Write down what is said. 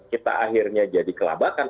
kita akhirnya jadi kelabakan